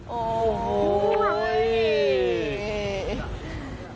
โอ้โห